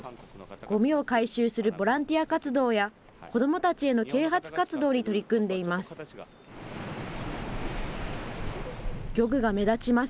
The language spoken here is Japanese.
ごみを回収するボランティア活動や、子どもたちへの啓発活動に取り組んでいます。